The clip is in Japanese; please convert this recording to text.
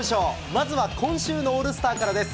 まずは今週のオールスターからです。